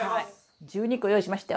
１２個用意しましたよ。